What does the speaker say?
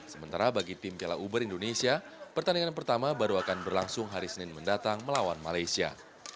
sementara bagi tim piala uber indonesia pertandingan pertama baru akan berlangsung hari senin mendatang melawan malaysia